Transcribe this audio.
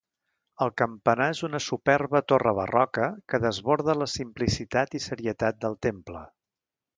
El campanar és una superba torre barroca que desborda la simplicitat i serietat del temple.